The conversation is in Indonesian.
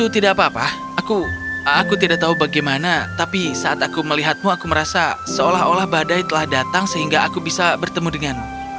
tidak apa apa aku tidak tahu bagaimana tapi saat aku melihatmu aku merasa seolah olah badai telah datang sehingga aku bisa bertemu denganmu